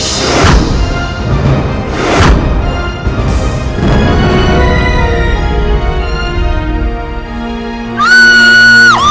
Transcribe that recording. saya akan mengandalkan